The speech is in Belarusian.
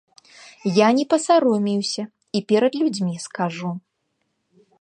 Я не пасаромеюся і перад людзьмі скажу.